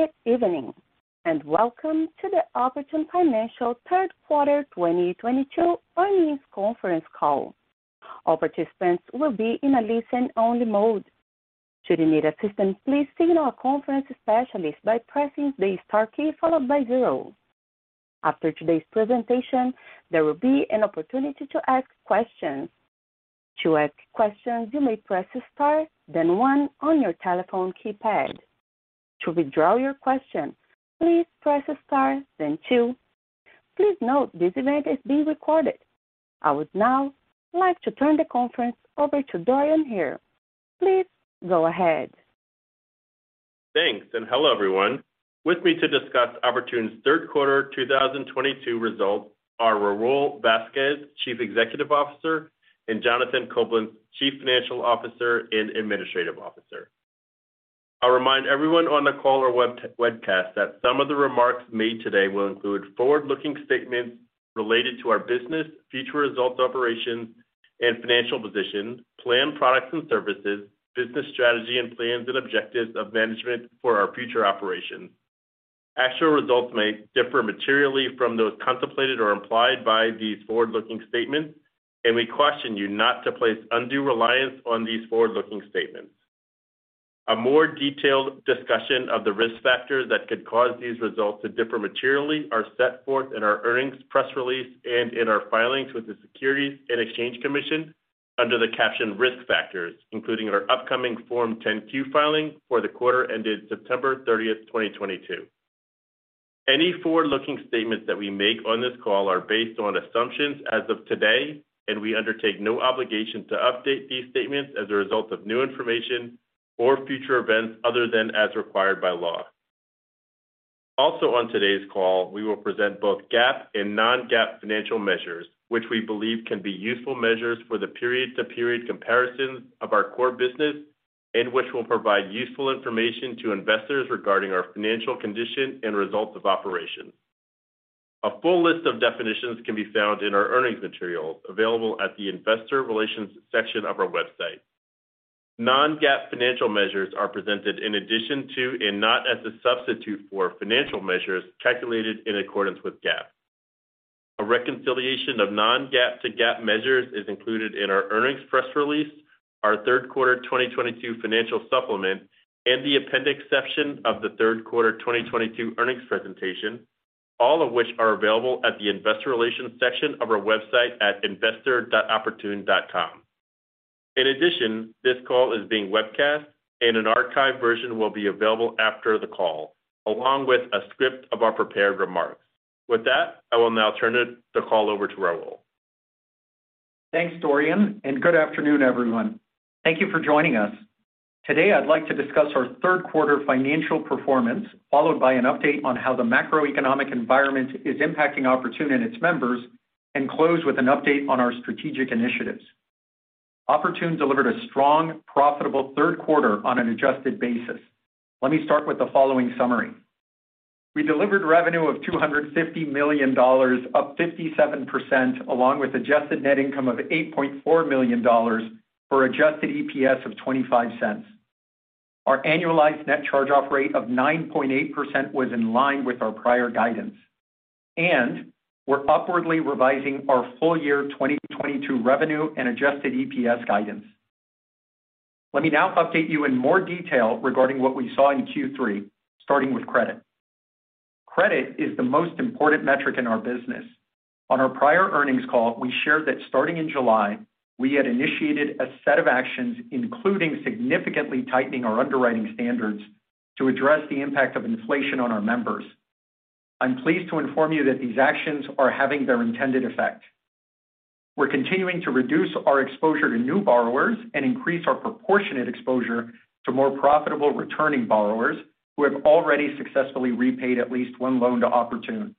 Good evening, and welcome to the Oportun Financial Third Quarter 2022 Earnings Conference Call. All participants will be in a listen-only mode. Should you need assistance, please signal a conference specialist by pressing the star key followed by zero. After today's presentation, there will be an opportunity to ask questions. To ask questions, you may press star then one on your telephone keypad. To withdraw your question, please press star then two. Please note this event is being recorded. I would now like to turn the conference over to Dorian Hare. Please go ahead. Thanks, and hello, everyone. With me to discuss Oportun's third quarter 2022 results are Raul Vazquez, Chief Executive Officer, and Jonathan Coblentz, Chief Financial Officer and Chief Administrative Officer. I'll remind everyone on the call or webcast that some of the remarks made today will include forward-looking statements related to our business, future results, operations and financial position, planned products and services, business strategy, and plans and objectives of management for our future operations. Actual results may differ materially from those contemplated or implied by these forward-looking statements, and we caution you not to place undue reliance on these forward-looking statements. A more detailed discussion of the risk factors that could cause these results to differ materially are set forth in our earnings press release and in our filings with the Securities and Exchange Commission under the caption Risk Factors, including in our upcoming Form 10-Q filing for the quarter ended September 30, 2022. Any forward-looking statements that we make on this call are based on assumptions as of today, and we undertake no obligation to update these statements as a result of new information or future events other than as required by law. Also on today's call, we will present both GAAP and non-GAAP financial measures, which we believe can be useful measures for the period-to-period comparisons of our core business and which will provide useful information to investors regarding our financial condition and results of operations. A full list of definitions can be found in our earnings materials available at the investor relations section of our website. Non-GAAP financial measures are presented in addition to and not as a substitute for financial measures calculated in accordance with GAAP. A reconciliation of non-GAAP to GAAP measures is included in our earnings press release, our third quarter 2022 financial supplement, and the appendix section of the third quarter 2022 earnings presentation, all of which are available at the investor relations section of our website at investor.oportun.com. In addition, this call is being webcast, and an archived version will be available after the call, along with a script of our prepared remarks. With that, I will now turn the call over to Raul. Thanks, Dorian, and good afternoon, everyone. Thank you for joining us. Today, I'd like to discuss our third quarter financial performance, followed by an update on how the macroeconomic environment is impacting Oportun and its members, and close with an update on our strategic initiatives. Oportun delivered a strong, profitable third quarter on an adjusted basis. Let me start with the following summary. We delivered revenue of $250 million, up 57%, along with adjusted net income of $8.4 million for adjusted EPS of $0.25. Our annualized net charge-off rate of 9.8% was in line with our prior guidance. We're upwardly revising our full-year 2022 revenue and adjusted EPS guidance. Let me now update you in more detail regarding what we saw in Q3, starting with credit. Credit is the most important metric in our business. On our prior earnings call, we shared that starting in July, we had initiated a set of actions, including significantly tightening our underwriting standards to address the impact of inflation on our members. I'm pleased to inform you that these actions are having their intended effect. We're continuing to reduce our exposure to new borrowers and increase our proportionate exposure to more profitable returning borrowers who have already successfully repaid at least one loan to Oportun.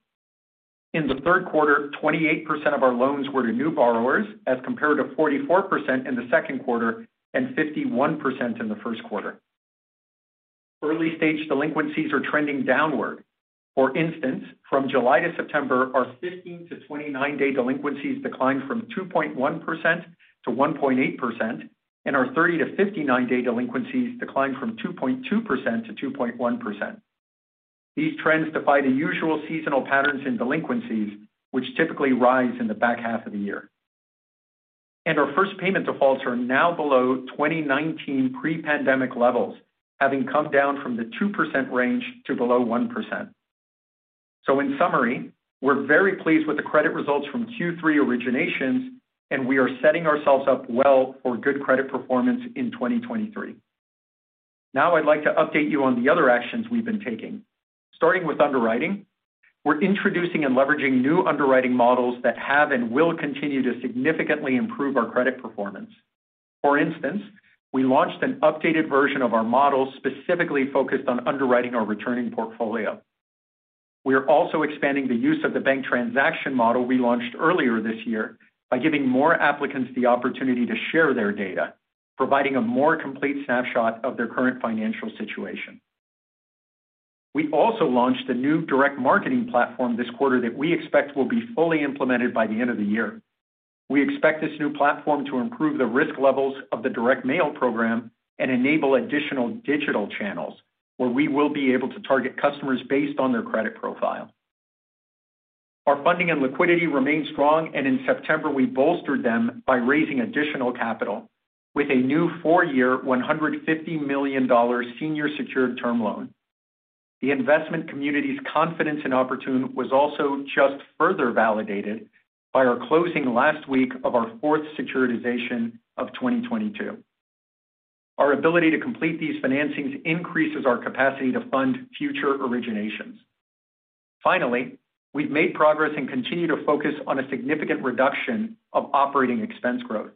In the third quarter, 28% of our loans were to new borrowers, as compared to 44% in the second quarter and 51% in the first quarter. Early-stage delinquencies are trending downward. For instance, from July to September, our 15-29-day delinquencies declined from 2.1%-1.8%, and our 30-59-day delinquencies declined from 2.2%-2.1%. These trends defy the usual seasonal patterns in delinquencies, which typically rise in the back half of the year. Our first payment defaults are now below 2019 pre-pandemic levels, having come down from the 2% range to below 1%. In summary, we're very pleased with the credit results from Q3 originations, and we are setting ourselves up well for good credit performance in 2023. Now I'd like to update you on the other actions we've been taking. Starting with underwriting, we're introducing and leveraging new underwriting models that have and will continue to significantly improve our credit performance. For instance, we launched an updated version of our model specifically focused on underwriting our returning portfolio. We are also expanding the use of the bank transaction model we launched earlier this year by giving more applicants the opportunity to share their data, providing a more complete snapshot of their current financial situation. We also launched a new direct marketing platform this quarter that we expect will be fully implemented by the end of the year. We expect this new platform to improve the risk levels of the direct mail program and enable additional digital channels where we will be able to target customers based on their credit profile. Our funding and liquidity remain strong, and in September, we bolstered them by raising additional capital with a new four-year, $150 million senior secured term loan. The investment community's confidence in Oportun was also just further validated by our closing last week of our fourth securitization of 2022. Our ability to complete these financings increases our capacity to fund future originations. Finally, we've made progress and continue to focus on a significant reduction of operating expense growth.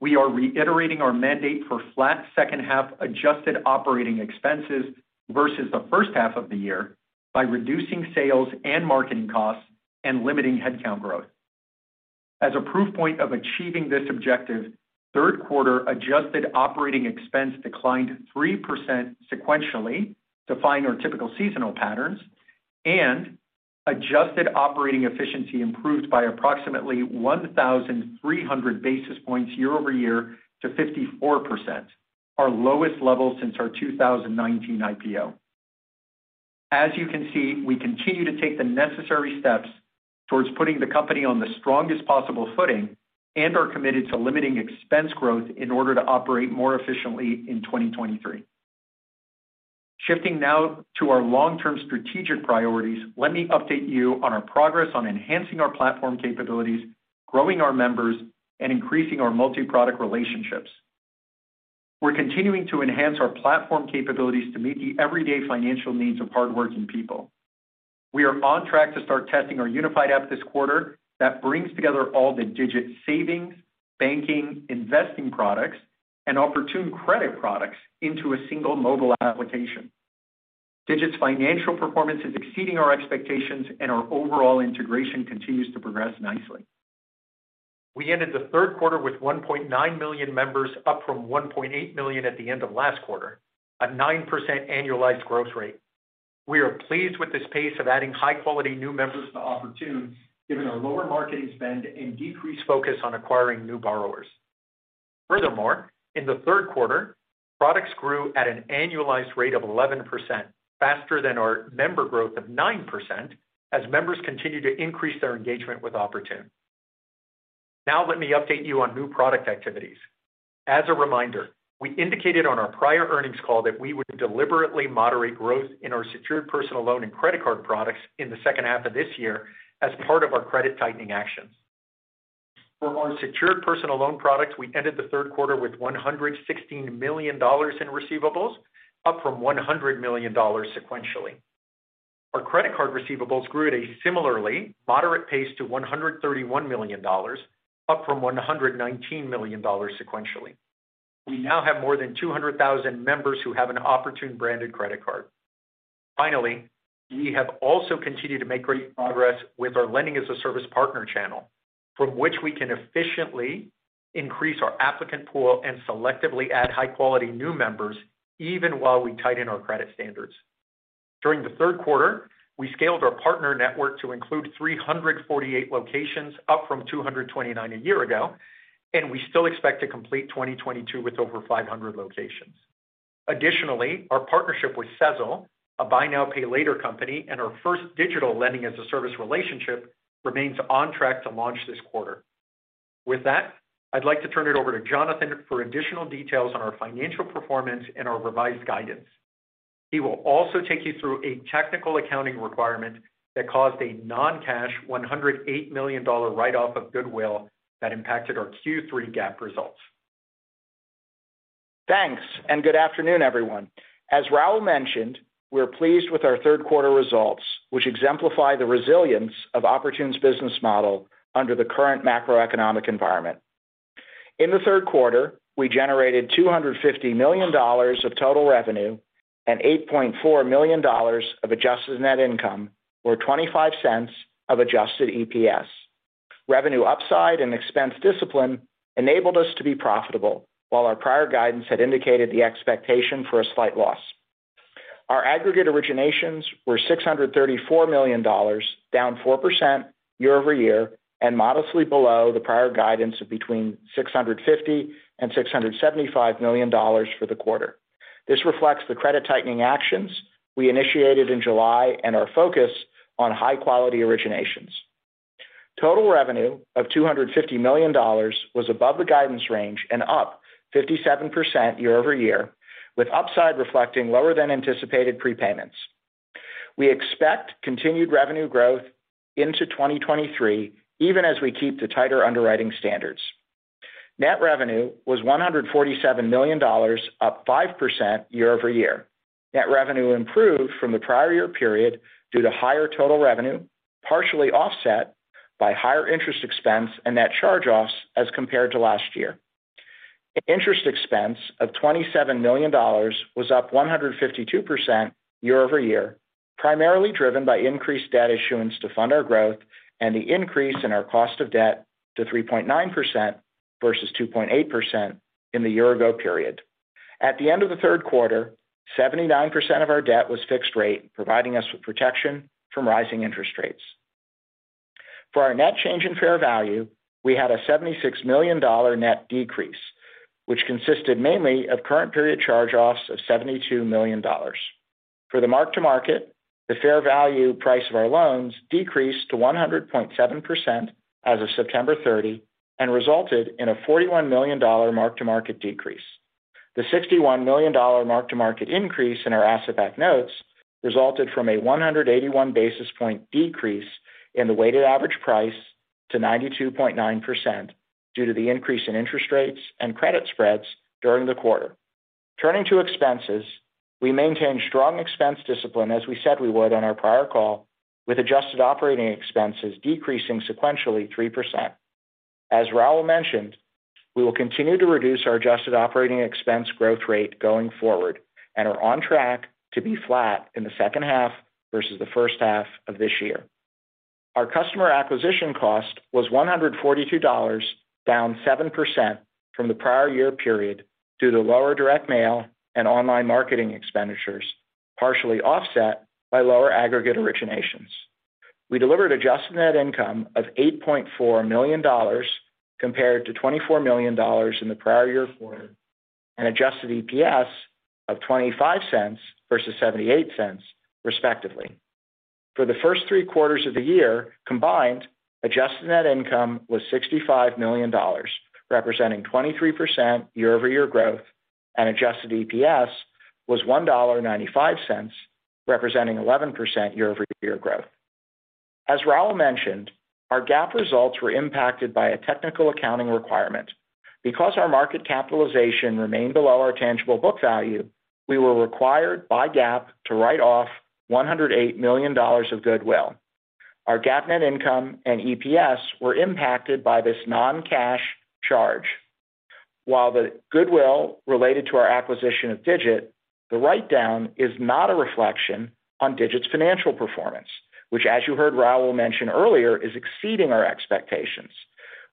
We are reiterating our mandate for flat second half adjusted operating expenses versus the first half of the year by reducing sales and marketing costs and limiting headcount growth. As a proof point of achieving this objective, third quarter adjusted operating expense declined 3% sequentially, defying our typical seasonal patterns, and adjusted operating efficiency improved by approximately 1,300 basis points year-over-year to 54%, our lowest level since our 2019 IPO. As you can see, we continue to take the necessary steps towards putting the company on the strongest possible footing and are committed to limiting expense growth in order to operate more efficiently in 2023. Shifting now to our long-term strategic priorities, let me update you on our progress on enhancing our platform capabilities, growing our members, and increasing our multi-product relationships. We're continuing to enhance our platform capabilities to meet the everyday financial needs of hardworking people. We are on track to start testing our unified app this quarter that brings together all the Digit savings, banking, investing products, and Oportun credit products into a single mobile application. Digit's financial performance is exceeding our expectations, and our overall integration continues to progress nicely. We ended the third quarter with 1.9 million members, up from 1.8 million at the end of last quarter, a 9% annualized growth rate. We are pleased with this pace of adding high-quality new members to Oportun, given our lower marketing spend and decreased focus on acquiring new borrowers. Furthermore, in the third quarter, products grew at an annualized rate of 11% faster than our member growth of 9% as members continue to increase their engagement with Oportun. Now let me update you on new product activities. As a reminder, we indicated on our prior earnings call that we would deliberately moderate growth in our secured personal loan and credit card products in the second half of this year as part of our credit tightening actions. For our secured personal loan products, we ended the third quarter with $116 million in receivables, up from $100 million sequentially. Our credit card receivables grew at a similarly moderate pace to $131 million, up from $119 million sequentially. We now have more than 200,000 members who have an Oportun-branded credit card. Finally, we have also continued to make great progress with our lending-as-a-service partner channel, from which we can efficiently increase our applicant pool and selectively add high-quality new members even while we tighten our credit standards. During the third quarter, we scaled our partner network to include 348 locations, up from 229 a year ago, and we still expect to complete 2022 with over 500 locations. Additionally, our partnership with Sezzle, a buy now, pay later company, and our first digital lending-as-a-service relationship remains on track to launch this quarter. With that, I'd like to turn it over to Jonathan for additional details on our financial performance and our revised guidance. He will also take you through a technical accounting requirement that caused a non-cash $108 million write-off of goodwill that impacted our Q3 GAAP results. Thanks, and good afternoon, everyone. As Raul mentioned, we're pleased with our third quarter results, which exemplify the resilience of Oportun's business model under the current macroeconomic environment. In the third quarter, we generated $250 million of total revenue and $8.4 million of adjusted net income, or $0.25 of adjusted EPS. Revenue upside and expense discipline enabled us to be profitable, while our prior guidance had indicated the expectation for a slight loss. Our aggregate originations were $634 million, down 4% year-over-year, and modestly below the prior guidance of between $650 million and $675 million for the quarter. This reflects the credit tightening actions we initiated in July and our focus on high-quality originations. Total revenue of $250 million was above the guidance range and up 57% year-over-year, with upside reflecting lower than anticipated prepayments. We expect continued revenue growth into 2023, even as we keep the tighter underwriting standards. Net revenue was $147 million, up 5% year-over-year. Net revenue improved from the prior year period due to higher total revenue, partially offset by higher interest expense and net charge-offs as compared to last year. Interest expense of $27 million was up 152% year-over-year, primarily driven by increased debt issuance to fund our growth and the increase in our cost of debt to 3.9% versus 2.8% in the year-ago period. At the end of the third quarter, 79% of our debt was fixed rate, providing us with protection from rising interest rates. For our net change in fair value, we had a $76 million net decrease, which consisted mainly of current period charge-offs of $72 million. For the mark-to-market, the fair value price of our loans decreased to 100.7% as of September 30 and resulted in a $41 million mark-to-market decrease. The $61 million mark-to-market increase in our asset-backed notes resulted from a 181 basis points decrease in the weighted average price to 92.9% due to the increase in interest rates and credit spreads during the quarter. Turning to expenses, we maintained strong expense discipline as we said we would on our prior call, with adjusted operating expenses decreasing sequentially 3%. As Raul mentioned, we will continue to reduce our adjusted operating expense growth rate going forward and are on track to be flat in the second half versus the first half of this year. Our customer acquisition cost was $142, down 7% from the prior year period due to lower direct mail and online marketing expenditures, partially offset by lower aggregate originations. We delivered adjusted net income of $8.4 million compared to $24 million in the prior year quarter, and adjusted EPS of $0.25 versus $0.78, respectively. For the first three quarters of the year combined, adjusted net income was $65 million, representing 23% year-over-year growth, and adjusted EPS was $1.95, representing 11% year-over-year growth. As Raul mentioned, our GAAP results were impacted by a technical accounting requirement. Because our market capitalization remained below our tangible book value, we were required by GAAP to write off $108 million of goodwill. Our GAAP net income and EPS were impacted by this non-cash charge. While the goodwill related to our acquisition of Digit, the write-down is not a reflection on Digit's financial performance, which as you heard Raul mention earlier, is exceeding our expectations.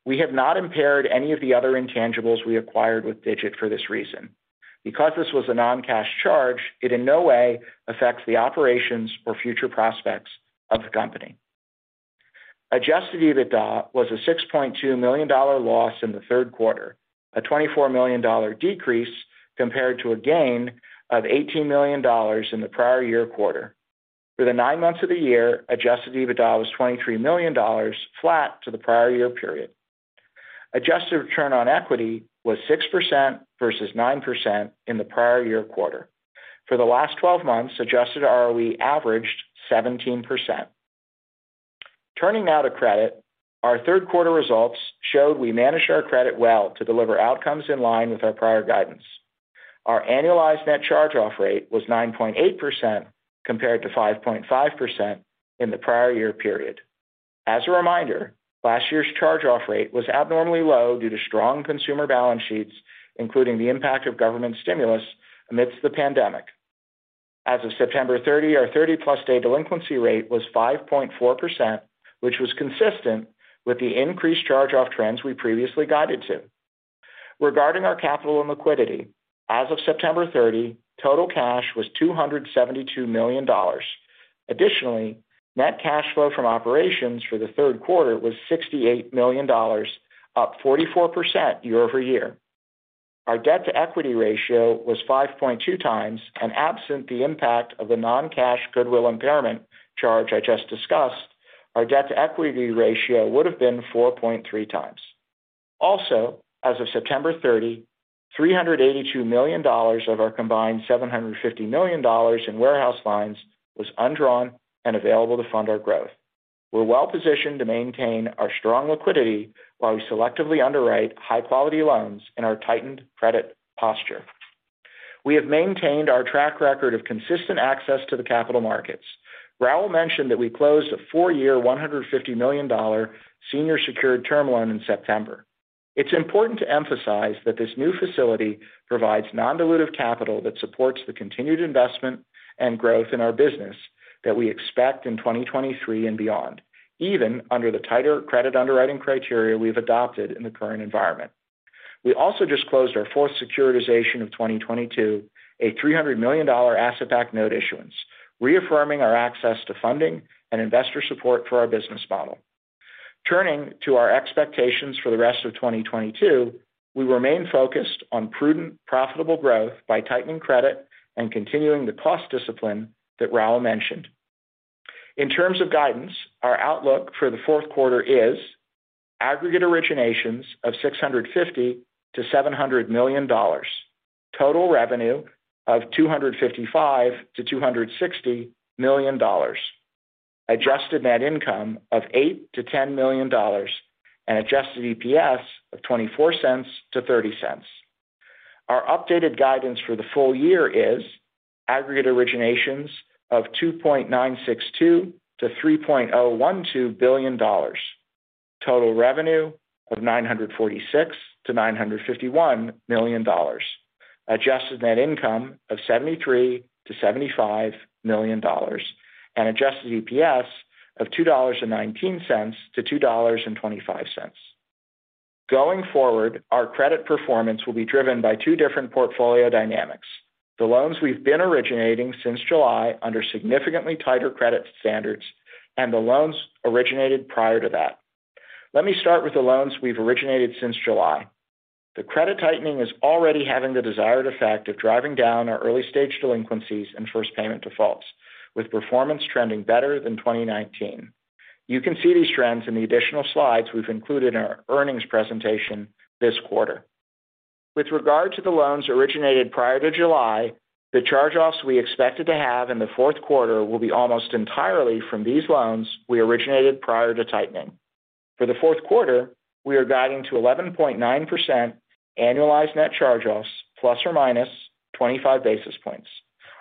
We have not impaired any of the other intangibles we acquired with Digit for this reason. Because this was a non-cash charge, it in no way affects the operations or future prospects of the company. Adjusted EBITDA was a $6.2 million loss in the third quarter, a $24 million decrease compared to a gain of $18 million in the prior year quarter. For the nine months of the year, adjusted EBITDA was $23 million, flat to the prior year period. Adjusted return on equity was 6% versus 9% in the prior year quarter. For the last 12 months, adjusted ROE averaged 17%. Turning now to credit. Our third quarter results showed we managed our credit well to deliver outcomes in line with our prior guidance. Our annualized net charge-off rate was 9.8% compared to 5.5% in the prior year period. As a reminder, last year's charge-off rate was abnormally low due to strong consumer balance sheets, including the impact of government stimulus amidst the pandemic. As of September 30, our thirty-plus day delinquency rate was 5.4%, which was consistent with the increased charge-off trends we previously guided to. Regarding our capital and liquidity, as of September 30, total cash was $272 million. Additionally, net cash flow from operations for the third quarter was $68 million, up 44% year-over-year. Our debt-to-equity ratio was 5.2x, and absent the impact of the non-cash goodwill impairment charge I just discussed, our debt-to-equity ratio would have been 4.3x. As of September 30, $382 million of our combined $750 million in warehouse lines was undrawn and available to fund our growth. We're well-positioned to maintain our strong liquidity while we selectively underwrite high-quality loans in our tightened credit posture. We have maintained our track record of consistent access to the capital markets. Raul mentioned that we closed a four-year, $150 million senior secured term loan in September. It's important to emphasize that this new facility provides non-dilutive capital that supports the continued investment and growth in our business that we expect in 2023 and beyond, even under the tighter credit underwriting criteria we've adopted in the current environment. We also just closed our fourth securitization of 2022, a $300 million asset-backed note issuance, reaffirming our access to funding and investor support for our business model. Turning to our expectations for the rest of 2022, we remain focused on prudent, profitable growth by tightening credit and continuing the cost discipline that Raul mentioned. In terms of guidance, our outlook for the fourth quarter is aggregate originations of $650 million-$700 million, total revenue of $255 million-$260 million, adjusted net income of $8 million-$10 million, and adjusted EPS of $0.24-$0.30. Our updated guidance for the full year is aggregate originations of $2.962 billion-$3.012 billion, total revenue of $946 million-$951 million, adjusted net income of $73 million-$75 million, and adjusted EPS of $2.19-$2.25. Going forward, our credit performance will be driven by two different portfolio dynamics. The loans we've been originating since July under significantly tighter credit standards and the loans originated prior to that. Let me start with the loans we've originated since July. The credit tightening is already having the desired effect of driving down our early-stage delinquencies and first payment defaults, with performance trending better than 2019. You can see these trends in the additional slides we've included in our earnings presentation this quarter. With regard to the loans originated prior to July, the charge-offs we expected to have in the fourth quarter will be almost entirely from these loans we originated prior to tightening. For the fourth quarter, we are guiding to 11.9% annualized net charge-offs ±25 basis points.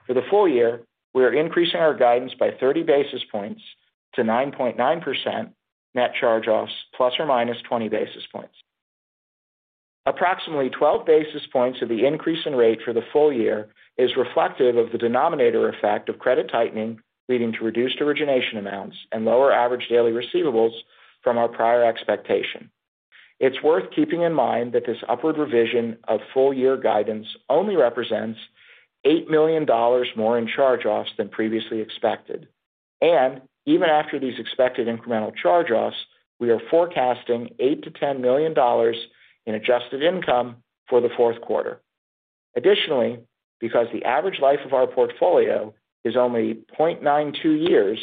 For the full year, we are increasing our guidance by 30 basis points to 9.9% net charge-offs ±20 basis points. Approximately 12 basis points of the increase in rate for the full year is reflective of the denominator effect of credit tightening, leading to reduced origination amounts and lower average daily receivables from our prior expectation. It's worth keeping in mind that this upward revision of full-year guidance only represents $8 million more in charge-offs than previously expected. Even after these expected incremental charge-offs, we are forecasting $8 million-$10 million in adjusted income for the fourth quarter. Additionally, because the average life of our portfolio is only 0.92 years,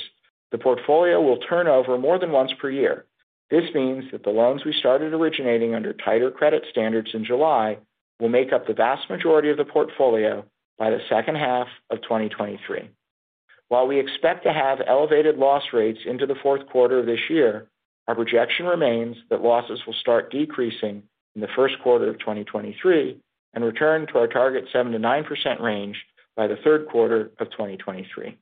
the portfolio will turn over more than once per year. This means that the loans we started originating under tighter credit standards in July will make up the vast majority of the portfolio by the second half of 2023. While we expect to have elevated loss rates into the fourth quarter this year, our projection remains that losses will start decreasing in the first quarter of 2023 and return to our target 7%-9% range by the third quarter of 2023.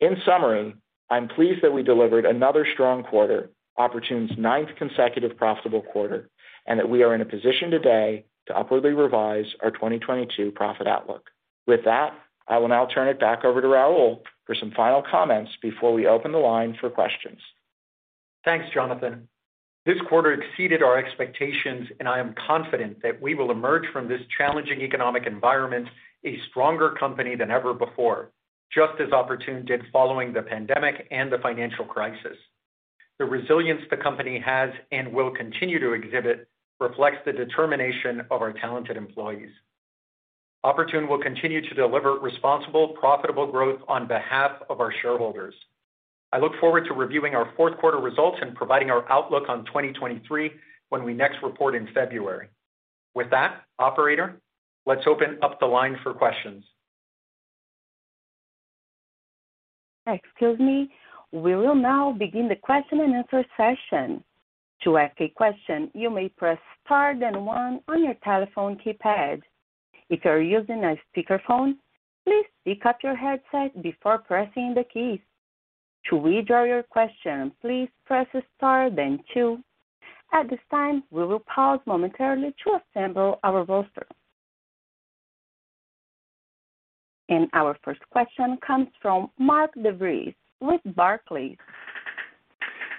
In summary, I'm pleased that we delivered another strong quarter, Oportun's ninth consecutive profitable quarter, and that we are in a position today to upwardly revise our 2022 profit outlook. With that, I will now turn it back over to Raul for some final comments before we open the line for questions. Thanks, Jonathan. This quarter exceeded our expectations, and I am confident that we will emerge from this challenging economic environment a stronger company than ever before, just as Oportun did following the pandemic and the financial crisis. The resilience the company has and will continue to exhibit reflects the determination of our talented employees. Oportun will continue to deliver responsible, profitable growth on behalf of our shareholders. I look forward to reviewing our fourth quarter results and providing our outlook on 2023 when we next report in February. With that, operator, let's open up the line for questions. Excuse me. We will now begin the question and answer session. To ask a question, you may press star then one on your telephone keypad. If you are using a speakerphone, please pick up your headset before pressing the keys. To withdraw your question, please press star then two. At this time, we will pause momentarily to assemble our roster. Our first question comes from Mark DeVries with Barclays.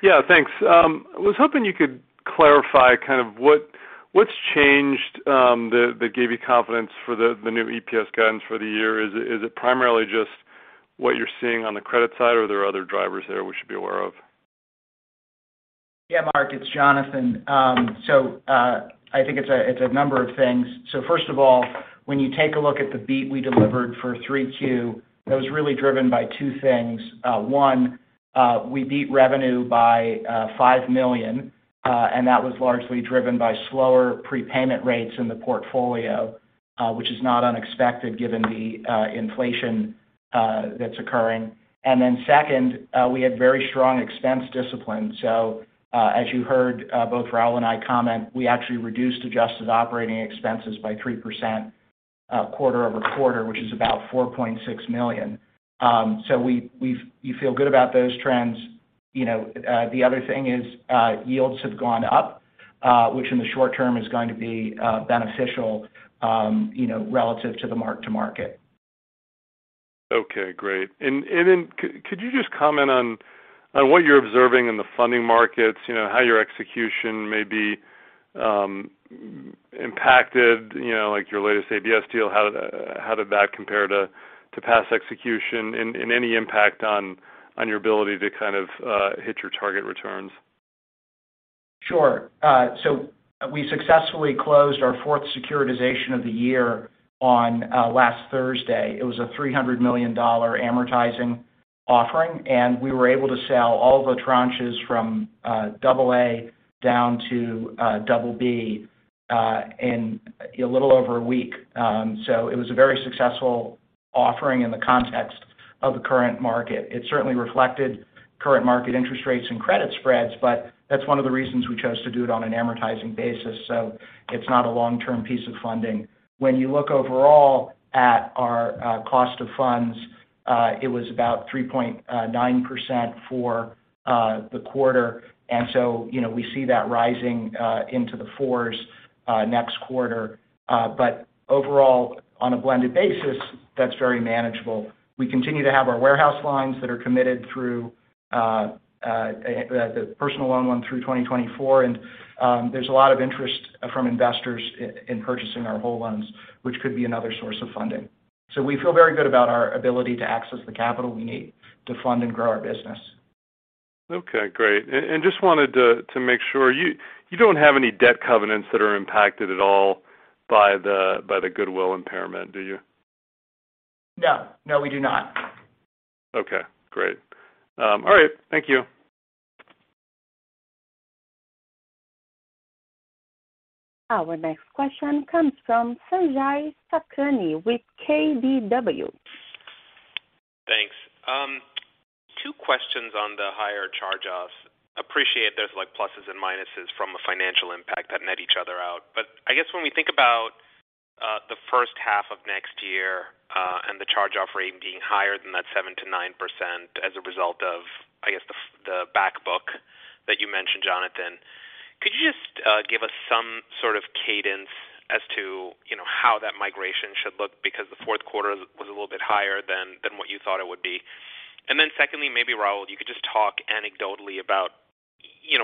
Yeah, thanks. I was hoping you could clarify kind of what's changed that gave you confidence for the new EPS guidance for the year. Is it primarily just what you're seeing on the credit side, or are there other drivers there we should be aware of? Yeah, Mark DeVries, it's Jonathan. I think it's a number of things. First of all, when you take a look at the beat we delivered for Q3, that was really driven by two things. One, we beat revenue by $5 million, and that was largely driven by slower prepayment rates in the portfolio, which is not unexpected given the inflation that's occurring. Second, we had very strong expense discipline. As you heard, both Raul and I comment, we actually reduced adjusted operating expenses by 3%, quarter-over-quarter, which is about $4.6 million. We feel good about those trends. You know, the other thing is, yields have gone up, which in the short term is going to be beneficial, you know, relative to the mark-to-market. Okay, great. Then could you just comment on what you're observing in the funding markets? You know, how your execution may be impacted. You know, like your latest ABS deal, how did that compare to past execution? Any impact on your ability to kind of hit your target returns? Sure. We successfully closed our fourth securitization of the year on last Thursday. It was a $300 million amortizing offering, and we were able to sell all the tranches from double-A down to double-B in a little over a week. It was a very successful offering in the context of the current market. It certainly reflected current market interest rates and credit spreads, but that's one of the reasons we chose to do it on an amortizing basis. It's not a long-term piece of funding. When you look overall at our cost of funds, it was about 3.9% for the quarter. You know, we see that rising into the fours next quarter. Overall, on a blended basis, that's very manageable. We continue to have our warehouse lines that are committed through the personal loan one through 2024. There's a lot of interest from investors in purchasing our whole loans, which could be another source of funding. We feel very good about our ability to access the capital we need to fund and grow our business. Okay, great. And just wanted to make sure you don't have any debt covenants that are impacted at all by the goodwill impairment, do you? No. No, we do not. Okay, great. All right. Thank you. Our next question comes from Sanjay Sakhrani with KBW. Thanks. Two questions on the higher charge-offs. Appreciate there's like pluses and minuses from a financial impact that net each other out. I guess when we think about the first half of next year and the charge-off rate being higher than that 7%-9% as a result of the back book that you mentioned, Jonathan. Could you just give us some sort of cadence as to how that migration should look because the fourth quarter was a little bit higher than what you thought it would be. Then secondly, maybe Raul, you could just talk anecdotally about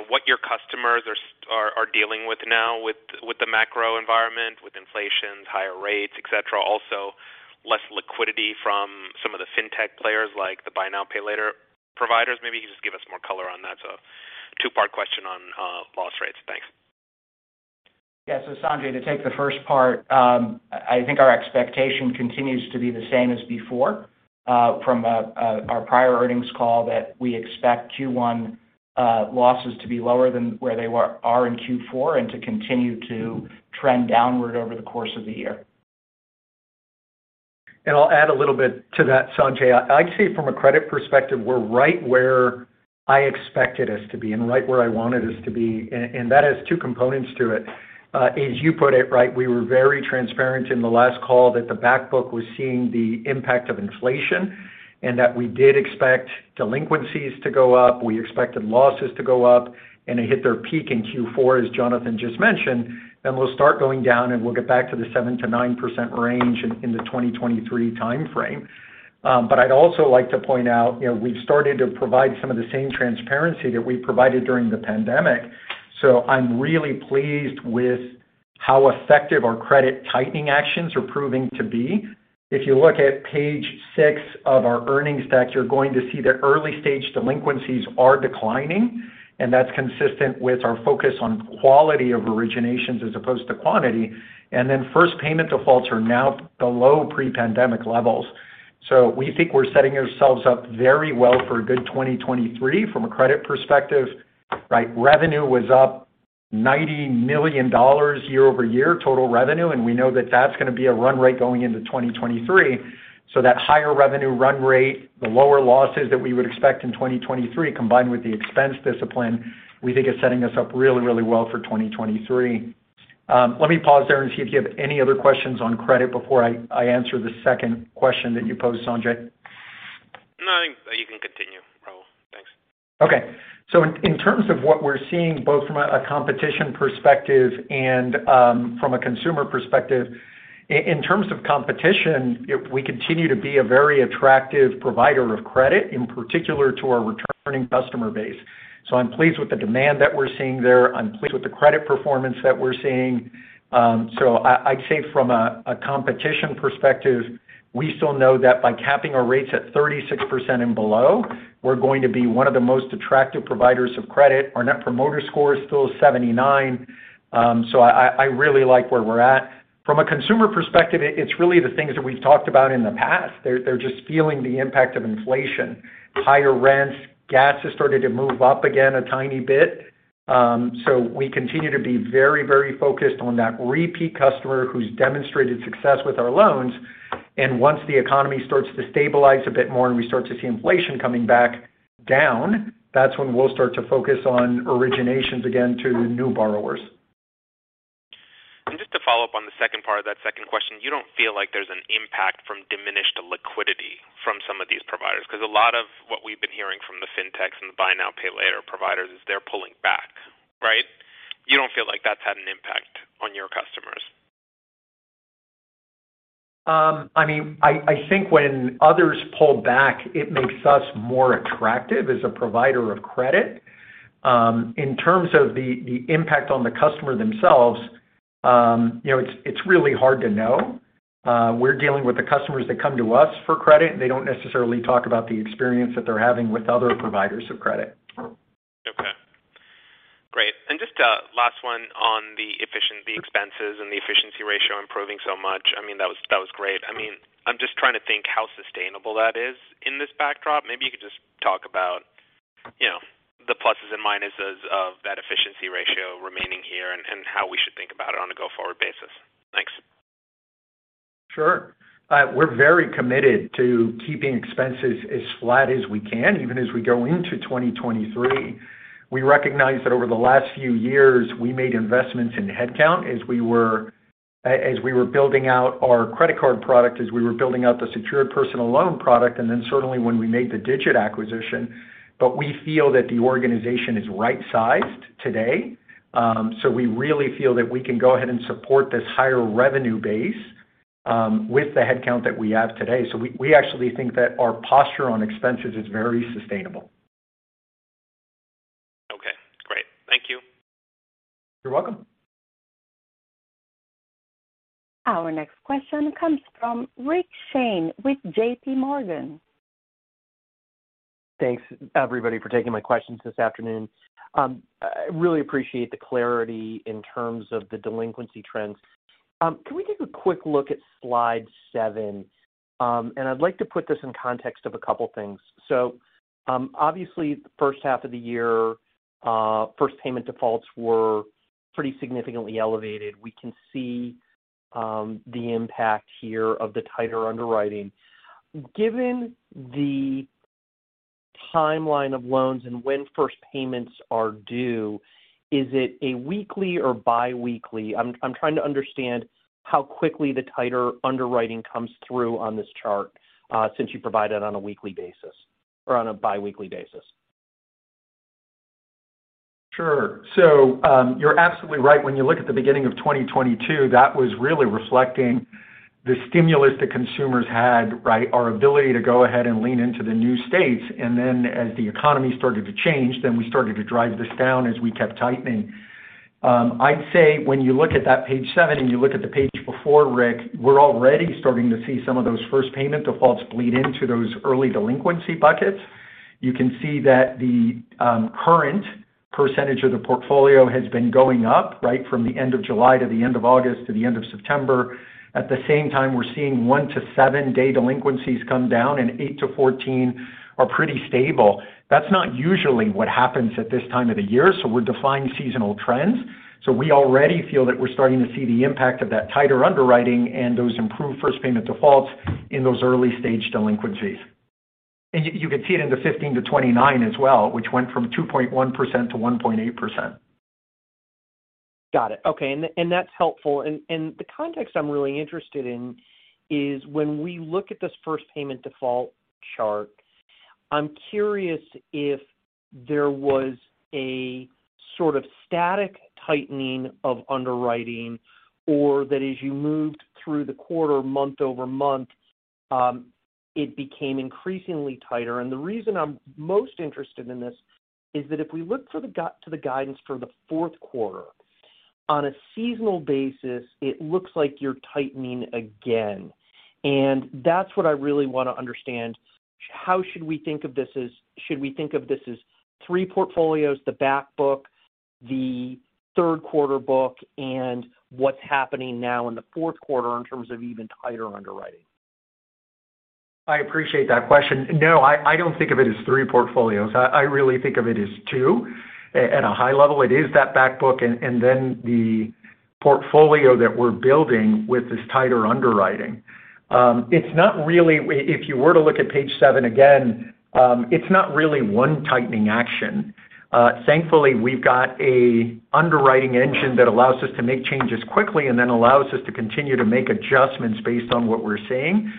what your customers are dealing with now with the macro environment, with inflation, higher rates, etc. Also less liquidity from some of the fintech players like the buy now, pay later providers. Maybe you can just give us more color on that. Two-part question on loss rates. Thanks. Yeah. Sanjay, to take the first part. I think our expectation continues to be the same as before, from our prior earnings call that we expect Q1 losses to be lower than where they are in Q4 and to continue to trend downward over the course of the year. I'll add a little bit to that, Sanjay. I'd say from a credit perspective, we're right where I expected us to be and right where I wanted us to be. That has two components to it. As you put it, right, we were very transparent in the last call that the back book was seeing the impact of inflation, and that we did expect delinquencies to go up. We expected losses to go up. They hit their peak in Q4, as Jonathan just mentioned. Then we'll start going down, and we'll get back to the 7%-9% range in the 2023 timeframe. But I'd also like to point out, you know, we've started to provide some of the same transparency that we provided during the pandemic. I'm really pleased with how effective our credit tightening actions are proving to be. If you look at page six of our earnings deck, you're going to see that early-stage delinquencies are declining, and that's consistent with our focus on quality of originations as opposed to quantity. First payment defaults are now below pre-pandemic levels. We think we're setting ourselves up very well for a good 2023 from a credit perspective, right? Revenue was up $90 million year-over-year, total revenue, and we know that that's gonna be a run rate going into 2023. That higher revenue run rate, the lower losses that we would expect in 2023, combined with the expense discipline, we think is setting us up really, really well for 2023. Let me pause there and see if you have any other questions on credit before I answer the second question that you posed, Sanjay. No, you can continue, Raul. Thanks. Okay. In terms of what we're seeing both from a competition perspective and from a consumer perspective. We continue to be a very attractive provider of credit, in particular to our returning customer base. I'm pleased with the demand that we're seeing there. I'm pleased with the credit performance that we're seeing. I'd say from a competition perspective, we still know that by capping our rates at 36% and below, we're going to be one of the most attractive providers of credit. Our net promoter score is still 79. I really like where we're at. From a consumer perspective, it's really the things that we've talked about in the past. They're just feeling the impact of inflation. Higher rents. Gas has started to move up again a tiny bit. We continue to be very, very focused on that repeat customer who's demonstrated success with our loans. Once the economy starts to stabilize a bit more and we start to see inflation coming back down, that's when we'll start to focus on originations again to new borrowers. Just to follow up on the second part of that second question. You don't feel like there's an impact from diminished liquidity from some of these providers? 'Cause a lot of what we've been hearing from the fintechs and the buy now, pay later providers is they're pulling back, right? You don't feel like that's had an impact on your customers? I mean, I think when others pull back, it makes us more attractive as a provider of credit. In terms of the impact on the customer themselves, you know, it's really hard to know. We're dealing with the customers that come to us for credit. They don't necessarily talk about the experience that they're having with other providers of credit. Okay, great. Just a last one on the efficiency, the expenses and the efficiency ratio improving so much. I mean, that was great. I mean, I'm just trying to think how sustainable that is in this backdrop. Maybe you could just talk about, you know, the pluses and minuses of that efficiency ratio remaining here and how we should think about it on a go-forward basis. Thanks. Sure. We're very committed to keeping expenses as flat as we can, even as we go into 2023. We recognize that over the last few years, we made investments in headcount as we were building out our credit card product, as we were building out the secured personal loan product, and then certainly when we made the Digit acquisition. We feel that the organization is right-sized today. We really feel that we can go ahead and support this higher revenue base, with the headcount that we have today. We actually think that our posture on expenses is very sustainable. Okay, great. Thank you. You're welcome. Our next question comes from Rick Shane with JPMorgan. Thanks everybody for taking my questions this afternoon. I really appreciate the clarity in terms of the delinquency trends. Can we take a quick look at slide seven? I'd like to put this in context of a couple things. Obviously, the first half of the year, first payment defaults were pretty significantly elevated. We can see the impact here of the tighter underwriting. Given the timeline of loans and when first payments are due, is it a weekly or bi-weekly? I'm trying to understand how quickly the tighter underwriting comes through on this chart, since you provide that on a weekly basis or on a bi-weekly basis. Sure. You're absolutely right. When you look at the beginning of 2022, that was really reflecting the stimulus that consumers had, right? Our ability to go ahead and lean into the new states. As the economy started to change, then we started to drive this down as we kept tightening. I'd say when you look at that page seven, and you look at the page before, Rick, we're already starting to see some of those first payment defaults bleed into those early delinquency buckets. You can see that the current percentage of the portfolio has been going up right from the end of July to the end of August to the end of September. At the same time, we're seeing one to seven-day delinquencies come down and eight to 14 are pretty stable. That's not usually what happens at this time of the year, so we're defying seasonal trends. We already feel that we're starting to see the impact of that tighter underwriting and those improved first payment defaults in those early-stage delinquencies. You can see it in the 15-29 as well, which went from 2.1%-1.8%. Got it. Okay. That's helpful. The context I'm really interested in is when we look at this first payment default chart. I'm curious if there was a sort of static tightening of underwriting or that as you moved through the quarter month-over-month, it became increasingly tighter. The reason I'm most interested in this is that if we look to the guidance for the fourth quarter, on a seasonal basis, it looks like you're tightening again. That's what I really want to understand. How should we think of this? Should we think of this as three portfolios, the back book, the third quarter book, and what's happening now in the fourth quarter in terms of even tighter underwriting? I appreciate that question. No, I don't think of it as three portfolios. I really think of it as two. At a high level, it is that back book and then the portfolio that we're building with this tighter underwriting. If you were to look at page seven again, it's not really one tightening action. Thankfully, we've got an underwriting engine that allows us to make changes quickly and then allows us to continue to make adjustments based on what we're seeing.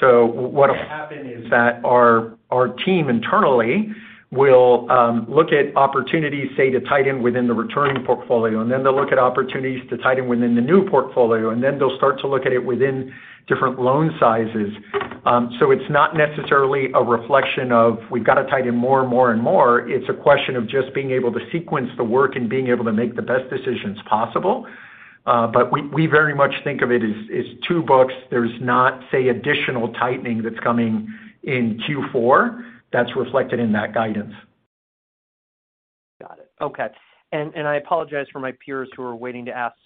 What will happen is that our team internally will look at opportunities, say, to tighten within the returning portfolio, and then they'll look at opportunities to tighten within the new portfolio, and then they'll start to look at it within different loan sizes. It's not necessarily a reflection of we've got to tighten more and more and more. It's a question of just being able to sequence the work and being able to make the best decisions possible. We very much think of it as two books. There's not, say, additional tightening that's coming in Q4 that's reflected in that guidance. Got it. Okay. I apologize for my peers who are waiting to ask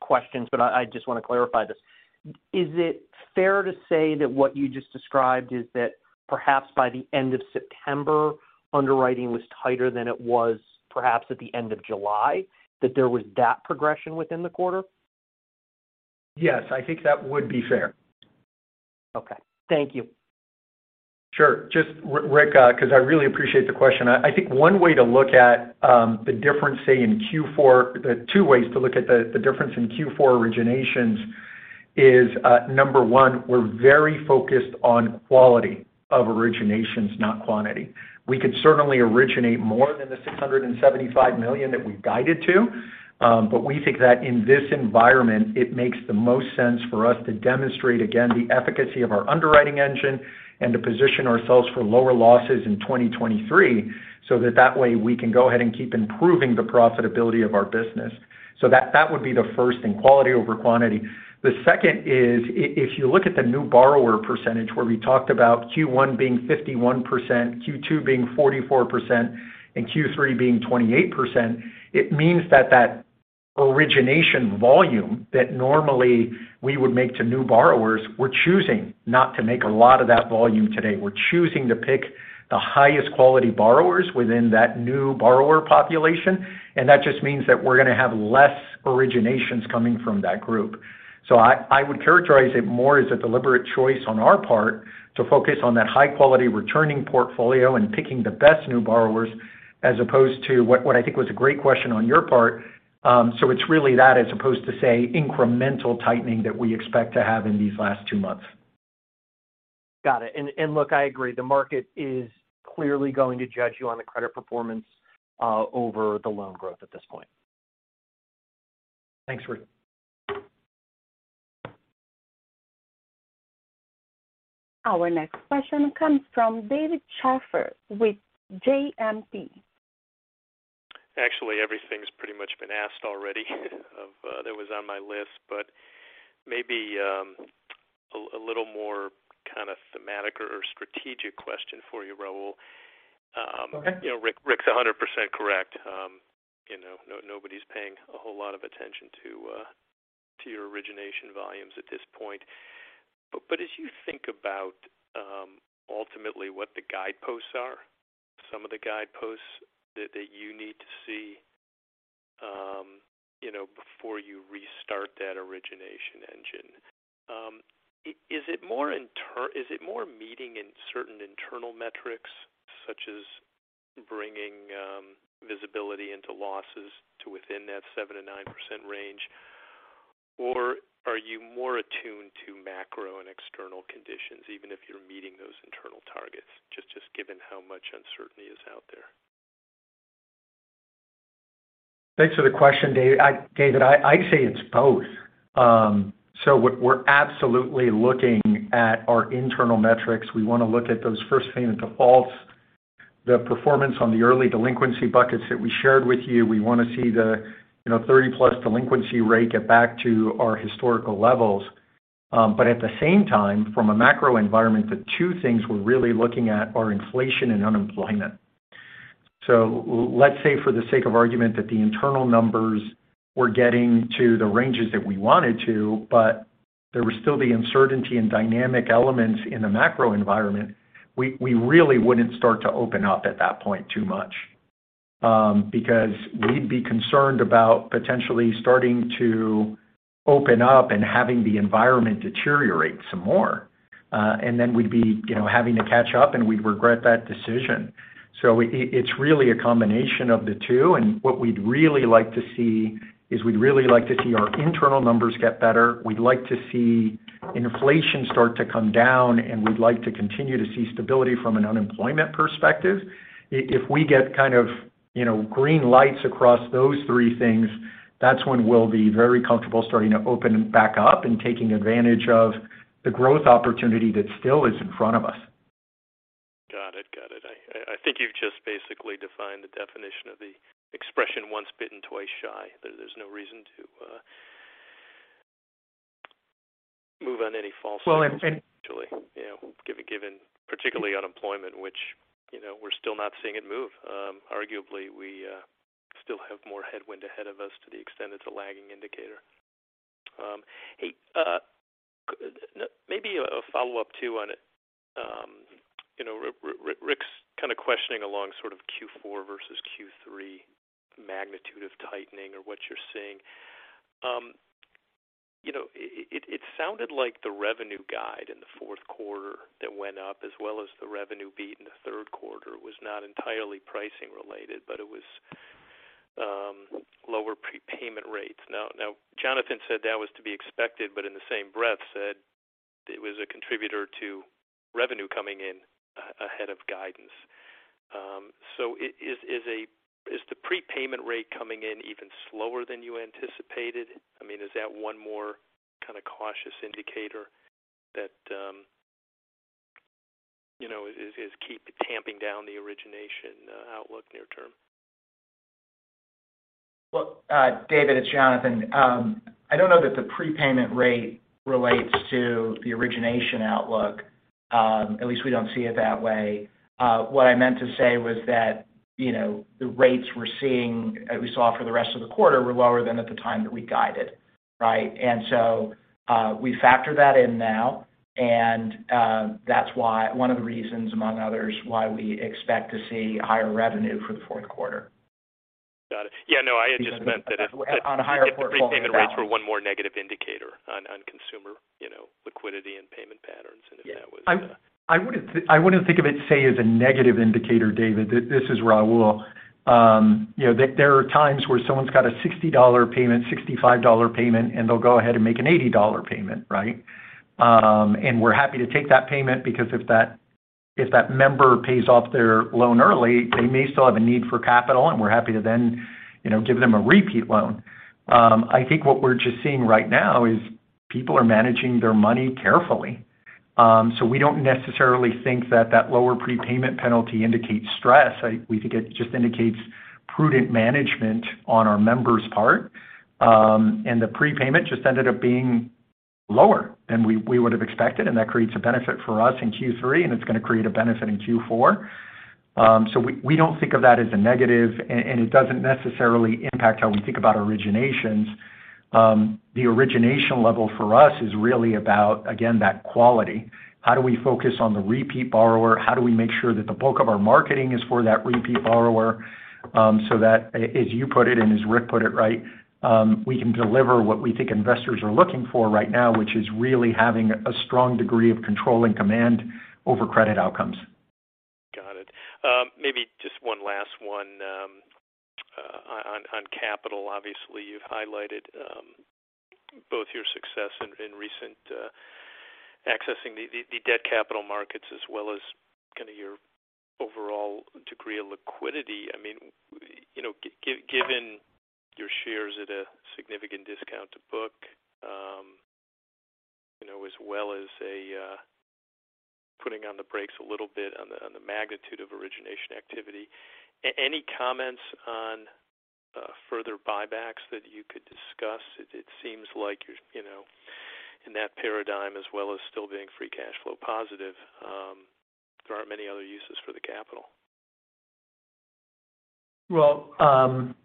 questions, but I just want to clarify this. Is it fair to say that what you just described is that perhaps by the end of September, underwriting was tighter than it was perhaps at the end of July, that there was that progression within the quarter? Yes, I think that would be fair. Okay. Thank you. Sure. Just, Rick, 'cause I really appreciate the question. I think one way to look at the difference, say in Q4, the two ways to look at the difference in Q4 originations is, number one, we're very focused on quality of originations, not quantity. We could certainly originate more than the $675 million that we guided to. But we think that in this environment, it makes the most sense for us to demonstrate, again, the efficacy of our underwriting engine and to position ourselves for lower losses in 2023, so that way we can go ahead and keep improving the profitability of our business. That would be the first in quality over quantity. The second is if you look at the new borrower percentage where we talked about Q1 being 51%, Q2 being 44%, and Q3 being 28%, it means that that origination volume that normally we would make to new borrowers, we're choosing not to make a lot of that volume today. We're choosing to pick the highest quality borrowers within that new borrower population, and that just means that we're going to have less originations coming from that group. I would characterize it more as a deliberate choice on our part to focus on that high-quality returning portfolio and picking the best new borrowers as opposed to what I think was a great question on your part. It's really that, as opposed to, say, incremental tightening that we expect to have in these last two months. Got it. Look, I agree. The market is clearly going to judge you on the credit performance over the loan growth at this point. Thanks, Rick. Our next question comes from David Scharf with JMP. Actually, everything's pretty much been asked already of that was on my list, but maybe a little more kind of thematic or strategic question for you, Raul. Okay. You know, Rick's 100% correct. You know, nobody's paying a whole lot of attention to your origination volumes at this point. But as you think about ultimately what the guideposts are, some of the guideposts that you need to see, you know, before you restart that origination engine, is it more meeting in certain internal metrics, such as bringing visibility into losses to within that 7%-9% range? Or are you more attuned to macro and external conditions, even if you're meeting those internal targets, just given how much uncertainty is out there? Thanks for the question, David. I say it's both. What we're absolutely looking at our internal metrics. We wanna look at those first payment defaults, the performance on the early delinquency buckets that we shared with you. We wanna see the, you know, 30+ delinquency rate get back to our historical levels. But at the same time, from a macro environment, the two things we're really looking at are inflation and unemployment. Let's say for the sake of argument that the internal numbers were getting to the ranges that we wanted to, but there was still the uncertainty and dynamic elements in the macro environment. We really wouldn't start to open up at that point too much, because we'd be concerned about potentially starting to open up and having the environment deteriorate some more. We'd be, you know, having to catch up, and we'd regret that decision. It's really a combination of the two, and what we'd really like to see is we'd really like to see our internal numbers get better. We'd like to see inflation start to come down, and we'd like to continue to see stability from an unemployment perspective. If we get kind of, you know, green lights across those three things, that's when we'll be very comfortable starting to open back up and taking advantage of the growth opportunity that still is in front of us. Got it. I think you've just basically defined the definition of the expression, once bitten, twice shy. There's no reason to move on any false. Well, it's. Actually, you know, given particularly unemployment, which, you know, we're still not seeing it move. Arguably, we still have more headwind ahead of us to the extent it's a lagging indicator. Hey, maybe a follow-up too on it. You know, Rick's kind of questioning along sort of Q4 versus Q3 magnitude of tightening or what you're seeing. You know, it sounded like the revenue guide in the fourth quarter that went up as well as the revenue beat in the third quarter was not entirely pricing related, but it was lower prepayment rates. Now Jonathan said that was to be expected, but in the same breath said it was a contributor to revenue coming in ahead of guidance. Is the prepayment rate coming in even slower than you anticipated? I mean, is that one more kind of cautious indicator that, you know, is keeping tamping down the origination outlook near-term? David, it's Jonathan. I don't know that the prepayment rate relates to the origination outlook. At least we don't see it that way. What I meant to say was that, you know, the rates we saw for the rest of the quarter were lower than at the time that we guided, right? We factor that in now, and that's one of the reasons among others why we expect to see higher revenue for the fourth quarter. Got it. Yeah, no, I had just meant that. On a higher portfolio balance. Prepayment rates were one more negative indicator on consumer, you know, liquidity and payment patterns, and if that was. I wouldn't think of it, say, as a negative indicator, David. This is Raul. You know, there are times where someone's got a $60 payment, $65 payment, and they'll go ahead and make an $80 payment, right? We're happy to take that payment because if that member pays off their loan early, they may still have a need for capital, and we're happy to then, you know, give them a repeat loan. I think what we're just seeing right now is people are managing their money carefully. We don't necessarily think that lower prepayment penalty indicates stress. We think it just indicates prudent management on our members' part. The prepayment just ended up being lower than we would've expected, and that creates a benefit for us in Q3, and it's gonna create a benefit in Q4. We don't think of that as a negative, and it doesn't necessarily impact how we think about originations. The origination level for us is really about, again, that quality. How do we focus on the repeat borrower? How do we make sure that the bulk of our marketing is for that repeat borrower? So that as you put it and as Rick put it, right, we can deliver what we think investors are looking for right now, which is really having a strong degree of control and command over credit outcomes. Maybe just one last one on capital. Obviously, you've highlighted both your success in recent accessing the debt capital markets as well as kinda your overall degree of liquidity. I mean, you know, given your shares at a significant discount to book, you know, as well as putting on the brakes a little bit on the magnitude of origination activity. Any comments on further buybacks that you could discuss? It seems like you're, you know, in that paradigm as well as still being free cash flow positive, there aren't many other uses for the capital. Well,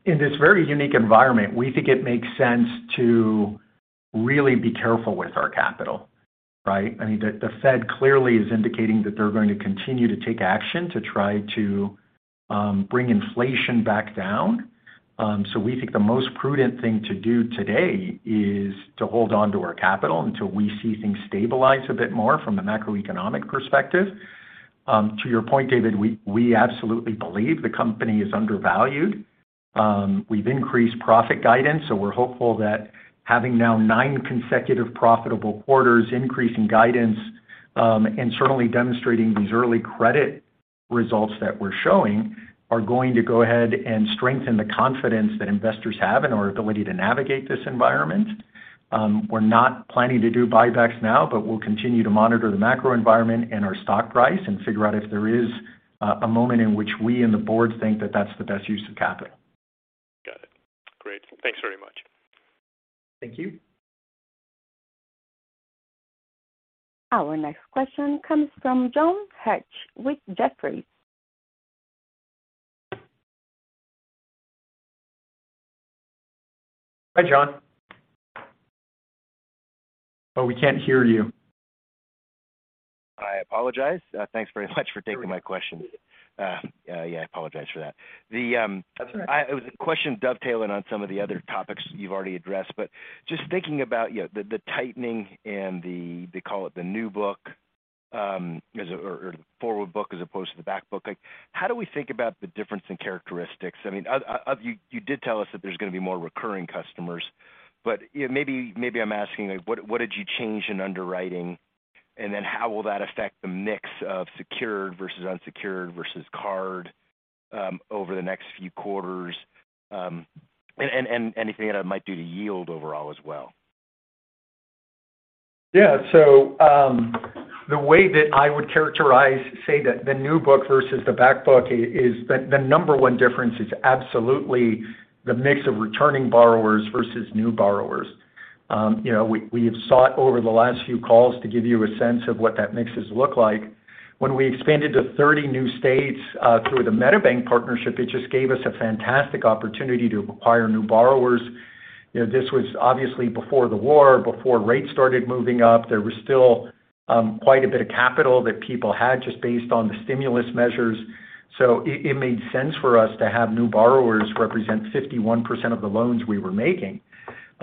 in this very unique environment, we think it makes sense to really be careful with our capital, right? I mean, the Fed clearly is indicating that they're going to continue to take action to try to bring inflation back down. We think the most prudent thing to do today is to hold onto our capital until we see things stabilize a bit more from a macroeconomic perspective. To your point, David, we absolutely believe the company is undervalued. We've increased profit guidance, so we're hopeful that having now nine consecutive profitable quarters increasing guidance, and certainly demonstrating these early credit results that we're showing are going to go ahead and strengthen the confidence that investors have in our ability to navigate this environment. We're not planning to do buybacks now, but we'll continue to monitor the macro environment and our stock price and figure out if there is a moment in which we and the board think that that's the best use of capital. Got it. Great. Thanks very much. Thank you. Our next question comes from John Hecht with Jefferies. Hi, John. Oh, we can't hear you. I apologize. Thanks very much for taking my question. No worries. Yeah, I apologize for that. That's all right. It was a question dovetailing on some of the other topics you've already addressed. Just thinking about, you know, the tightening and they call it the new book, or the forward book as opposed to the back book. Like, how do we think about the difference in characteristics? I mean, you did tell us that there's gonna be more recurring customers, but maybe I'm asking, like, what did you change in underwriting? Then how will that affect the mix of secured versus unsecured versus card over the next few quarters, and anything that it might do to yield overall as well. Yeah. The way that I would characterize, say, the new book versus the back book is. The number one difference is absolutely the mix of returning borrowers versus new borrowers. You know, we have sought over the last few calls to give you a sense of what that mixes look like. When we expanded to 30 new states through the MetaBank partnership, it just gave us a fantastic opportunity to acquire new borrowers. You know, this was obviously before the war, before rates started moving up. There was still quite a bit of capital that people had just based on the stimulus measures. It made sense for us to have new borrowers represent 51% of the loans we were making.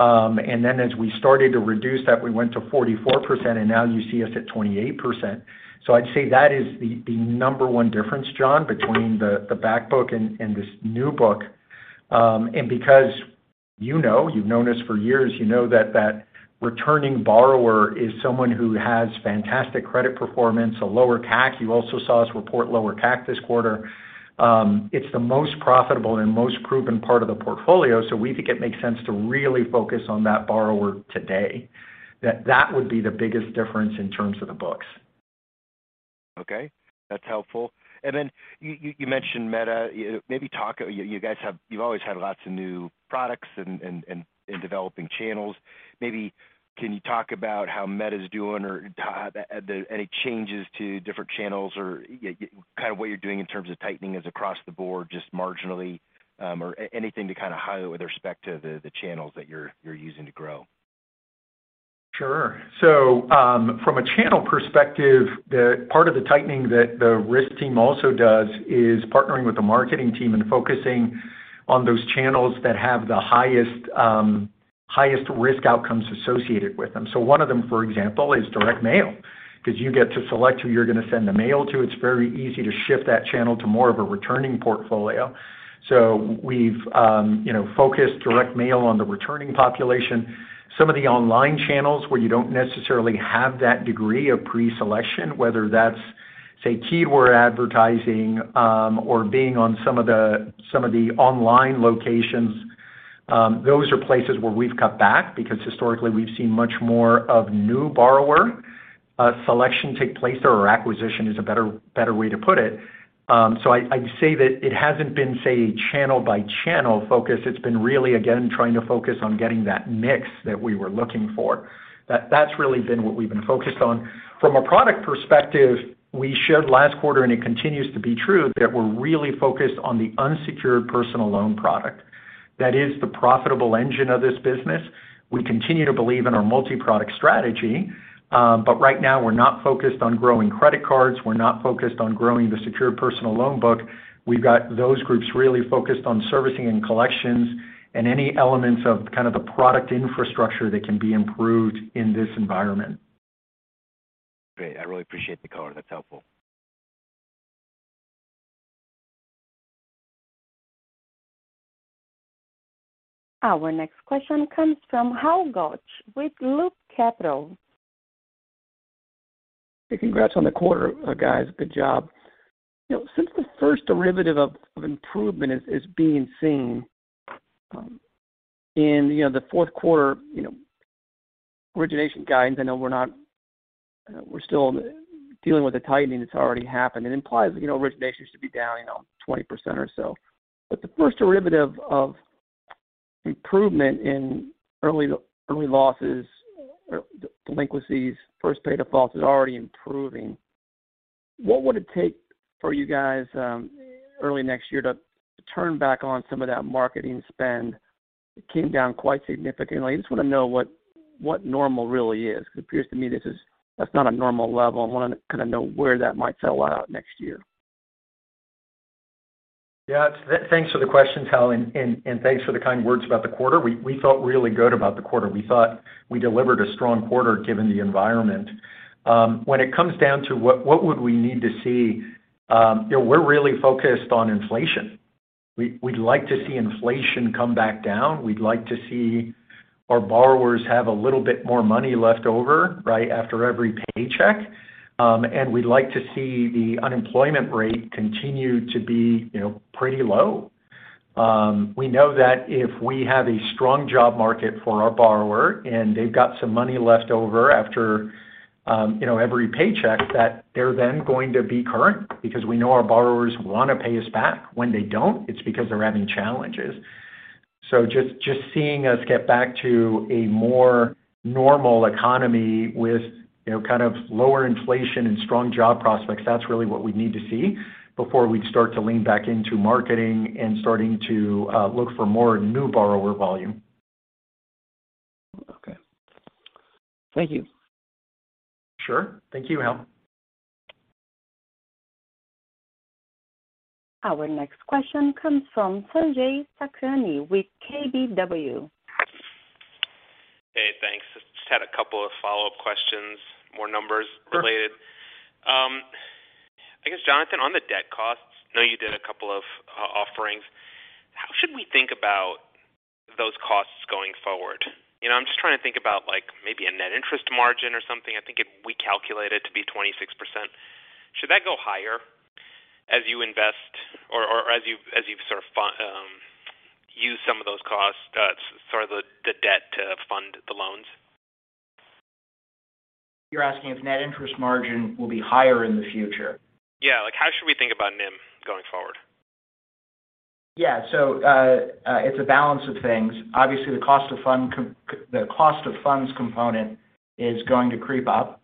As we started to reduce that, we went to 44%, and now you see us at 28%. I'd say that is the number one difference, John, between the back book and this new book. Because you know, you've known us for years, you know that returning borrower is someone who has fantastic credit performance, a lower CAC. You also saw us report lower CAC this quarter. It's the most profitable and most proven part of the portfolio, so we think it makes sense to really focus on that borrower today. That would be the biggest difference in terms of the books. Okay. That's helpful. You mentioned Meta. You've always had lots of new products and developing channels. Maybe can you talk about how Meta is doing or any changes to different channels or kind of what you're doing in terms of tightening is across the board just marginally or anything to kind of highlight with respect to the channels that you're using to grow. Sure. From a channel perspective, the part of the tightening that the risk team also does is partnering with the marketing team and focusing on those channels that have the highest risk outcomes associated with them. One of them, for example, is direct mail, 'cause you get to select who you're gonna send the mail to. It's very easy to shift that channel to more of a returning portfolio. We've, you know, focused direct mail on the returning population. Some of the online channels where you don't necessarily have that degree of pre-selection, whether that's say, keyword advertising, or being on some of the online locations, those are places where we've cut back because historically we've seen much more of new borrower selection take place or acquisition is a better way to put it. I'd say that it hasn't been, say, channel by channel focus. It's been really, again, trying to focus on getting that mix that we were looking for. That's really been what we've been focused on. From a product perspective, we showed last quarter, and it continues to be true, that we're really focused on the unsecured personal loan product. That is the profitable engine of this business. We continue to believe in our multi-product strategy, but right now we're not focused on growing credit cards. We're not focused on growing the secured personal loan book. We've got those groups really focused on servicing and collections and any elements of kind of the product infrastructure that can be improved in this environment. Great. I really appreciate the color. That's helpful. Our next question comes from Hal Goetsch with Loop Capital. Hey, congrats on the quarter, guys. Good job. You know, since the first derivative of improvement is being seen in you know, the fourth quarter, you know, origination guidance. I know we're still dealing with the tightening that's already happened. It implies, you know, origination should be down 20% or so. The first derivative of improvement in early losses, or delinquencies, first pay defaults is already improving. What would it take for you guys early next year to turn back on some of that marketing spend? It came down quite significantly. I just wanna know what normal really is because it appears to me this is. That's not a normal level. I wanna kinda know where that might settle out next year. Yeah. Thanks for the question, Hal, and thanks for the kind words about the quarter. We felt really good about the quarter. We thought we delivered a strong quarter given the environment. When it comes down to what would we need to see, you know, we're really focused on inflation. We'd like to see inflation come back down. We'd like to see our borrowers have a little bit more money left over right after every paycheck. We'd like to see the unemployment rate continue to be, you know, pretty low. We know that if we have a strong job market for our borrower, and they've got some money left over after, you know, every paycheck that they're then going to be current because we know our borrowers wanna pay us back. When they don't, it's because they're having challenges. Just seeing us get back to a more normal economy with, you know, kind of lower inflation and strong job prospects, that's really what we'd need to see before we'd start to lean back into marketing and starting to look for more new borrower volume. Okay. Thank you. Sure. Thank you, Raul. Our next question comes from Sanjay Sakhrani with KBW. Hey, thanks. Just had a couple of follow-up questions, more numbers related. I guess, Jonathan, on the debt costs, you know, you did a couple of offerings. How should we think about those costs going forward? You know, I'm just trying to think about, like, maybe a net interest margin or something. I think if we calculate it to be 26%, should that go higher as you invest or as you sort of use some of those costs, sort of the debt to fund the loans? You're asking if net interest margin will be higher in the future. Yeah. Like, how should we think about NIM going forward? Yeah. It's a balance of things. Obviously, the cost of funds component is going to creep up,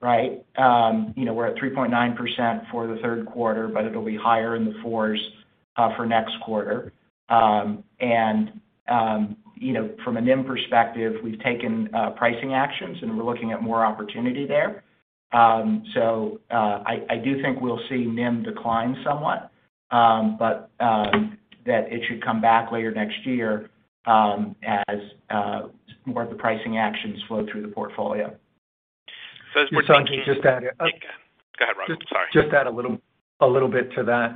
right? You know, we're at 3.9% for the third quarter, but it'll be higher in the fours for next quarter. You know, from a NIM perspective, we've taken pricing actions, and we're looking at more opportunity there. I do think we'll see NIM decline somewhat, but that it should come back later next year, as more of the pricing actions flow through the portfolio. So just- Sanjay, just to add. Go ahead, Raul. Sorry. Just to add a little bit to that.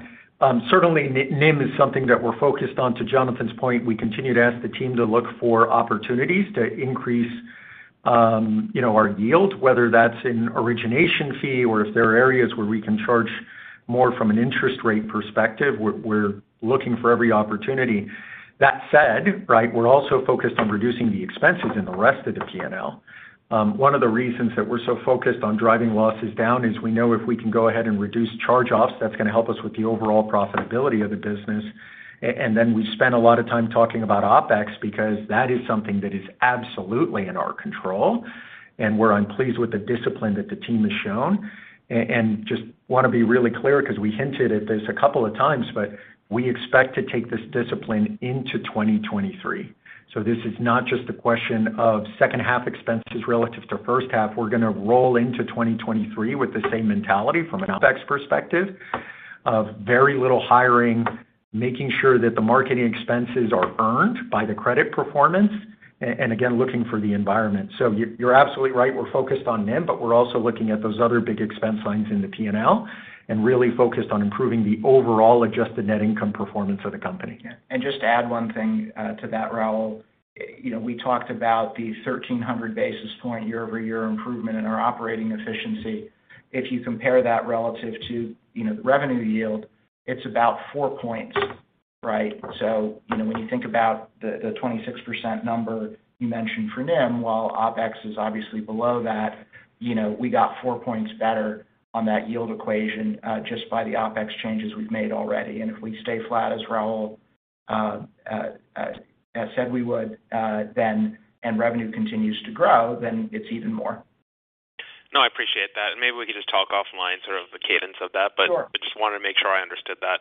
Certainly NIM is something that we're focused on. To Jonathan Coblentz's point, we continue to ask the team to look for opportunities to increase you know, our yields, whether that's in origination fee or if there are areas where we can charge more from an interest rate perspective. We're looking for every opportunity. That said, right, we're also focused on reducing the expenses in the rest of the P&L. One of the reasons that we're so focused on driving losses down is we know if we can go ahead and reduce charge-offs, that's gonna help us with the overall profitability of the business. Then we spend a lot of time talking about OpEx because that is something that is absolutely in our control, and we're pleased with the discipline that the team has shown. Just wanna be really clear because we hinted at this a couple of times, but we expect to take this discipline into 2023. This is not just a question of second half expenses relative to first half. We're gonna roll into 2023 with the same mentality from an OpEx perspective of very little hiring, making sure that the marketing expenses are earned by the credit performance and again, looking for the environment. You're absolutely right. We're focused on NIM, but we're also looking at those other big expense lines in the P&L and really focused on improving the overall adjusted net income performance of the company. Yeah. Just to add one thing to that, Raul. You know, we talked about the 1,300 basis point year-over-year improvement in our operating efficiency. If you compare that relative to, you know, the revenue yield, it's about four points, right? So, you know, when you think about the 26% number you mentioned for NIM, while OpEx is obviously below that, you know, we got four points better on that yield equation just by the OpEx changes we've made already. If we stay flat as Raul said we would, then and revenue continues to grow, then it's even more. No, I appreciate that. Maybe we could just talk offline sort of the cadence of that. Sure. I just wanted to make sure I understood that.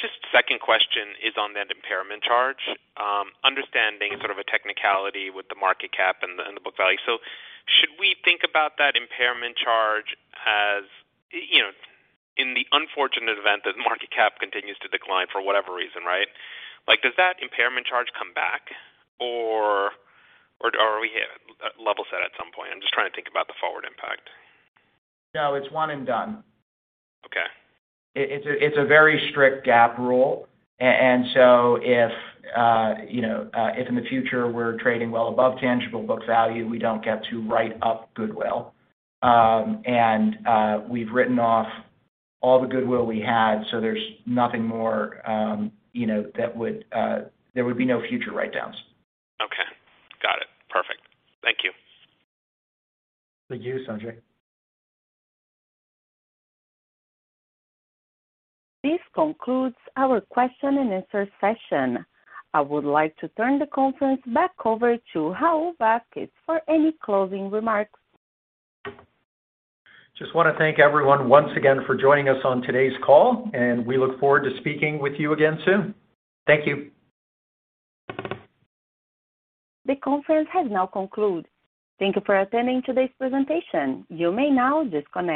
Just second question is on that impairment charge. Understanding sort of a technicality with the market cap and the book value. Should we think about that impairment charge as, you know, in the unfortunate event that market cap continues to decline for whatever reason, right? Like, does that impairment charge come back or are we level set at some point? I'm just trying to think about the forward impact. No, it's one and done. Okay. It's a very strict GAAP rule. If in the future we're trading well above tangible book value, we don't get to write up goodwill. We've written off all the goodwill we had, so there's nothing more, you know, there would be no future write-downs. Okay. Got it. Perfect. Thank you. Thank you, Sanjay. This concludes our question and answer session. I would like to turn the conference back over to Raul Vazquez for any closing remarks. Just wanna thank everyone once again for joining us on today's call, and we look forward to speaking with you again soon. Thank you. The conference has now concluded. Thank you for attending today's presentation. You may now disconnect.